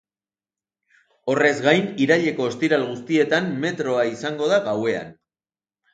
Horrez gain, iraileko ostiral guztietan metroa izango da gauean.